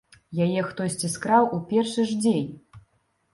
Яе хтосьці скраў у першы ж дзень.